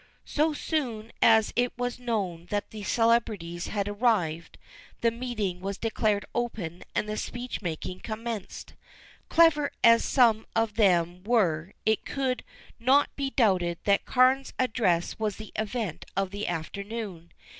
So soon as it was known that the celebrities had arrived, the meeting was declared open and the speech making commenced. Clever as some of them were it could not be doubted that Carne's address was the event of the afternoon.